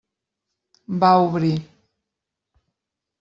Va obrir.